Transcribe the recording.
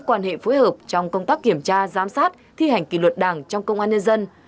quan hệ phối hợp trong công tác kiểm tra giám sát thi hành kỷ luật đảng trong công an nhân dân